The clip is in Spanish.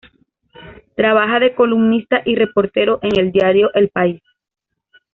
Trabaja de columnista y reportero en el diario "El País".